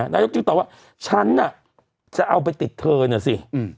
นายกจึงตอบว่าฉันน่ะจะเอาไปติดเธอน่ะสิ